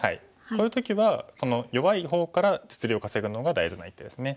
こういう時は弱い方から実利を稼ぐのが大事な一手ですね。